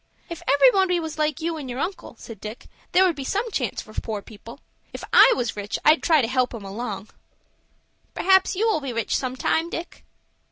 "If everybody was like you and your uncle," said Dick, "there would be some chance for poor people. If I was rich I'd try to help 'em along." "Perhaps you will be rich sometime, Dick."